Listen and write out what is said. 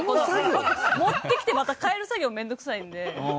持ってきてまた替える作業面倒くさいんで。